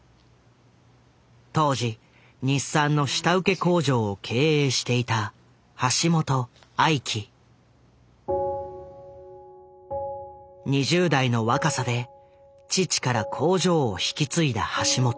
当時日産の下請け工場を経営していた２０代の若さで父から工場を引き継いだ橋本。